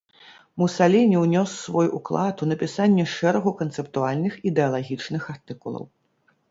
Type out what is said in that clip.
Мусаліні ўнёс свой уклад у напісанне шэрагу канцэптуальных, ідэалагічных артыкулаў.